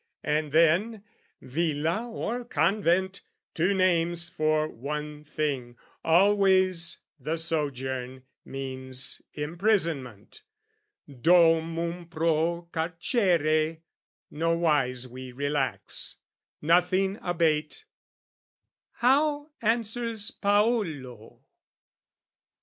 And then, "Villa or convent, two names for one thing, "Always the sojourn means imprisonment, "Domum pro carcere nowise we relax, "Nothing abate: how answers Paolo?"